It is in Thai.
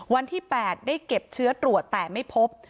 วันที่๘ได้เก็บเชื้อตรวจแต่ไม่พบ